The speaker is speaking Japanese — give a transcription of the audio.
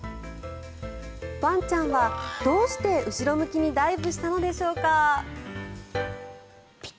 ワンちゃんはどうして後ろ向きにダイブしたのでしょうか。